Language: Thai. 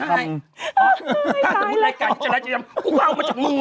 ถ้าสมุดรายการที่จะไม่จริยภัมพ์